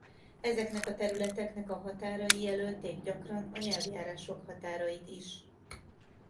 Ezeknek a területeknek a határai jelölték gyakran a nyelvjárások határait is.